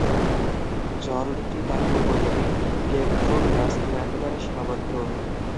জর্ডটি তার পূর্ব দিকে Gertrude rusk land দ্বারা সীমাবদ্ধ।